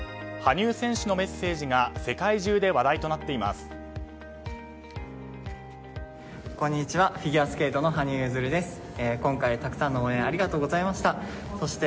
羽生選手のメッセージが世界中で話題となっています。